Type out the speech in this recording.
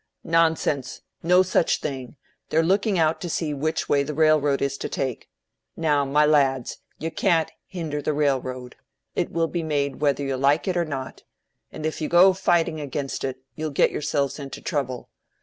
"Nonsense! No such thing! They're looking out to see which way the railroad is to take. Now, my lads, you can't hinder the railroad: it will be made whether you like it or not. And if you go fighting against it, you'll get yourselves into trouble.